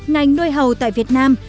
ngành nuôi hàu tại việt nam